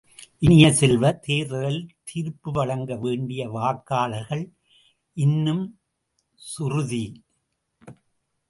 இனிய செல்வ, தேர்தலில் தீர்ப்பு வழங்க வேண்டிய வாக்காளர்கள் இன்னும் சுறு தி.